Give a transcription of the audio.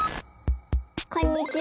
こんにちは！